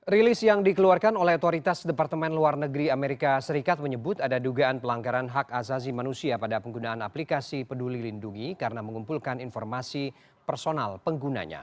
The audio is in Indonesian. rilis yang dikeluarkan oleh otoritas departemen luar negeri amerika serikat menyebut ada dugaan pelanggaran hak azazi manusia pada penggunaan aplikasi peduli lindungi karena mengumpulkan informasi personal penggunanya